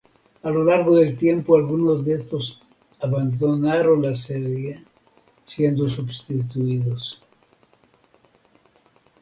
A lo largo del tiempo, algunos de estos abandonaron la serie siendo sustituidos.